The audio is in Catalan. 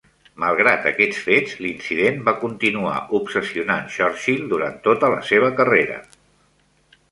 Malgrat aquests fets, l'incident va continuar obsessionant Churchill durant tota la seva carrera.